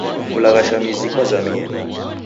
Kulaghasha mizi kwazamie.